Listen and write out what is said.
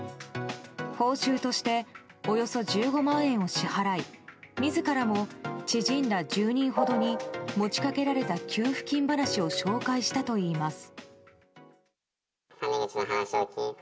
報酬としておよそ１５万円を支払い自らも知人ら１０人ほどに持ち掛けられた給付金話を紹介したといいます。